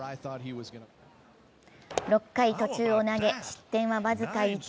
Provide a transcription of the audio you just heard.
６回途中を投げ、失点は僅か１。